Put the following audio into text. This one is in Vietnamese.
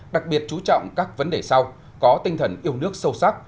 đặc biệt chú trọng các vấn đề sau có tinh thần yêu nước sâu sắc